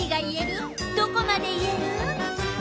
どこまで言える？